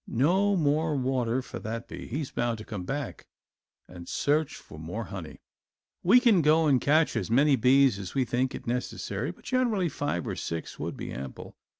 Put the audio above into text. No more water for that bee; he is bound to come back and search for more honey. We can go and catch as many bees as we think it necessary, but generally five or six would be ample.